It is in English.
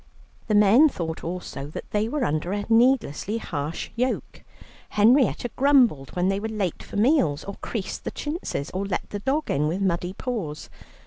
The men thought also that they were under a needlessly harsh yoke. Henrietta grumbled when they were late for meals, or creased the chintzes, or let the dog in with muddy paws.